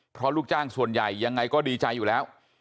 เพราะลูกจ้างส่วนใหญ่ยังไงก็ดีใจอยู่แล้ว